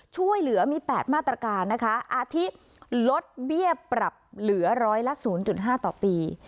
ช่วยเหลือมีแปดมาตรการนะคะอาทิลดเบี้ยปรับเหลือร้อยละศูนย์จุดห้าต่อปี